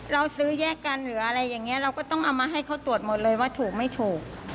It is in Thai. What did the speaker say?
เราซื้อแยกกันหรืออะไรอย่างนี้เราก็ต้องเอามาให้เขาตรวจหมดเลยว่าถูกไม่ถูก